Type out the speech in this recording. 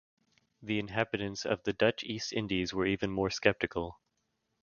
The inhabitants of the Dutch East Indies were even more skeptical.